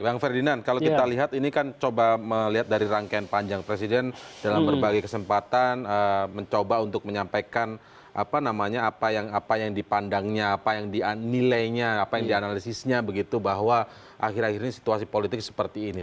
bang ferdinand kalau kita lihat ini kan coba melihat dari rangkaian panjang presiden dalam berbagai kesempatan mencoba untuk menyampaikan apa namanya apa yang dipandangnya apa yang dinilainya apa yang dianalisisnya begitu bahwa akhir akhir ini situasi politik seperti ini